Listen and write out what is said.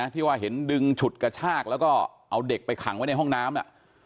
ที่ว่าเห็นดึงฉุดกระชากแล้วก็เอาเด็กไปขังไว้ในห้องน้ำ